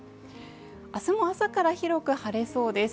明日も朝から広く晴れそうです。